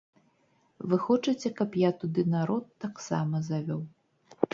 Вы хочаце, каб я туды народ таксама завёў.